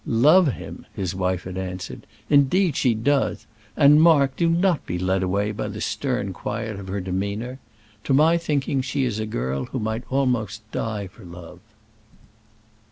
"Love him!" his wife had answered; "indeed she does; and, Mark, do not be led away by the stern quiet of her demeanour. To my thinking she is a girl who might almost die for love."